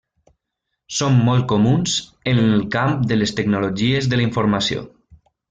Són molt comuns en el camp de les tecnologies de la informació.